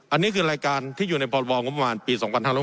อันนี้คือรายการที่อยู่ในพรบงบประมาณปี๒๕๖๐